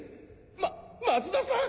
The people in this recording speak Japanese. ま松田さん